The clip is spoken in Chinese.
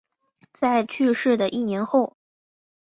在去世的一年后